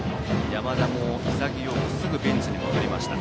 山田も、潔くすぐベンチに戻りました。